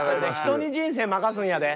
ひとに人生任すんやで。